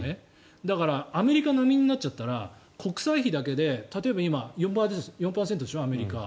だからアメリカ並みになっちゃったら国債費だけで例えば今４％でしょ、アメリカ。